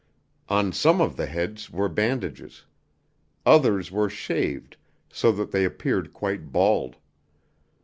On some of the heads were bandages. Others were shaved, so that they appeared quite bald.